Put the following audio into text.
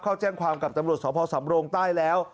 เข้าแจ้งความกับตำรวจสพสำโรงใต้แล้ว